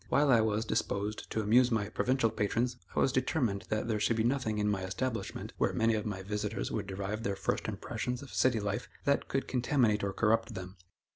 While I was disposed to amuse my provincial patrons, I was determined that there should be nothing in my establishment, where many of my visitors would derive their first impressions of city life, that could contaminate or corrupt them.